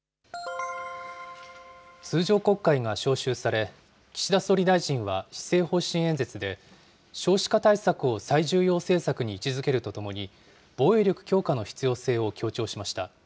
通常国会が召集され、岸田総理大臣は施政方針演説で、少子化対策を最重要政策に位置づけるとともに、防衛力強化の必要性を強調しました。